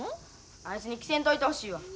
あいつに着せんといてほしいわ。